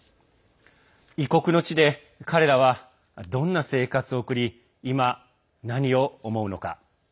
異国の地で彼らは、どんな生活を送り今、何を思うのか。